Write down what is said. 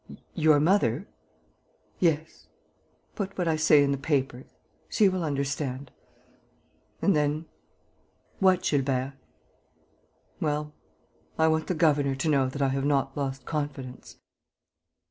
"Your mother?" "Yes.... Put what I say in the papers.... She will understand.... And then...." "What, Gilbert?" "Well, I want the governor to know that I have not lost confidence."